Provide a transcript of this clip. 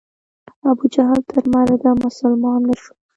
ابوجهل تر مرګه مسلمان نه شو.